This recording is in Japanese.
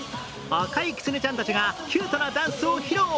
赤いきつねちゃんたちがキュートなダンスを披露。